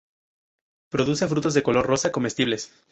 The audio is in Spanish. Produce frutos de color rosa comestibles.